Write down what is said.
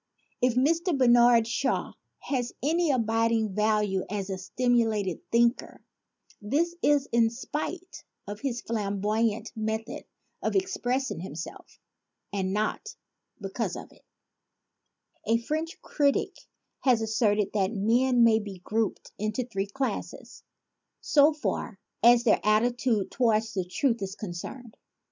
If Mr. Bernard Shaw has any abiding value as a stimulating thinker this is in spite of his flam boyant method of expressing himself and not because of it. 126 A PLEA FOR THE PLATITUDE A French critic has asserted that men may be grouped in three classes, so far as their atti tude toward the truth is concerned.